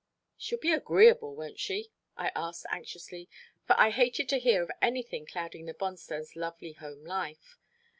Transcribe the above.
"She'll be agreeable, won't she?" I asked anxiously, for I hated to hear of anything clouding the Bonstones' lovely home life.